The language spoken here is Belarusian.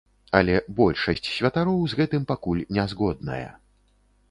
Але большасць святароў з гэтым пакуль не згодная.